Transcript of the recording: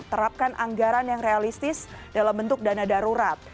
terapkan anggaran yang realistis dalam bentuk dana darurat